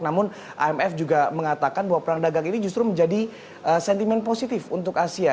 namun imf juga mengatakan bahwa perang dagang ini justru menjadi sentimen positif untuk asia